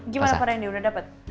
gimana pak randy udah dapet